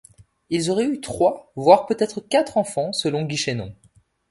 Ils auraient eu trois, voire peut être quatre enfants selon Guichenon.